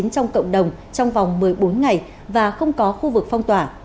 trong cộng đồng trong vòng một mươi bốn ngày và không có khu vực phong tỏa